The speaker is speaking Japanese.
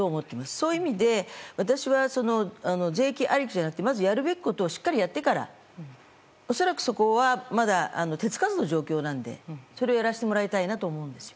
そういう意味で私は税金ありきではなくてまずは、やるべきことをしっかりやってから恐らく、そこはまだ手付かずの状況なのでそれをやらせてもらいたいと思うんですよ。